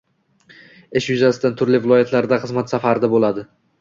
ish yuzasidan turli viloyatlarda xizmat safarida bo‘ladi.